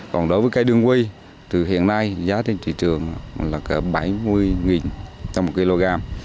còn đối với cây đường quy từ hiện nay giá trên trị trường là bảy mươi đồng trong một kg